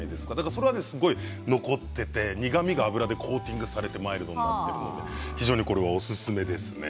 それはすごい残っていて苦みが油でコーティングされてマイルドになっていて非常にこれはおすすめですね。